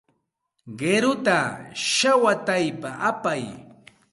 Qiruta shawataypa apay.